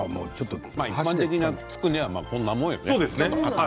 一般的なつくねはまあ、こんなもんよね。